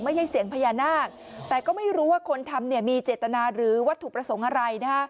ไม่ใช่เสียงพญานาคแต่ก็ไม่รู้ว่าคนทำมีเจตนาหรือวัตถุประสงค์อะไร